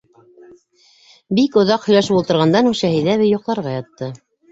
Бик оҙаҡ һөйләшеп ултырғандан һуң, Шәһиҙә әбей йоҡларға ятты.